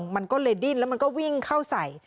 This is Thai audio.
มันก็เลยดิ้นแล้วมันก็วิ่งเข้าใส่